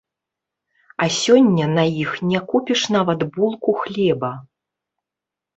А сёння на іх не купіш нават булку хлеба.